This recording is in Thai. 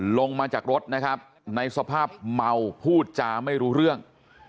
ลงมาจากรถนะครับในสภาพเมาพูดจาไม่รู้เรื่อง